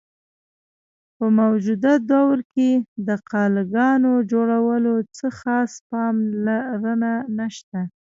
په موجوده دور کښې د قلاګانو جوړولو څۀ خاص پام لرنه نشته۔